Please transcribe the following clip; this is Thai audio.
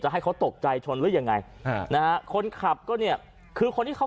ให้เขาตกใจชนหรือยังไงอ่านะฮะคนขับก็เนี่ยคือคนที่เขา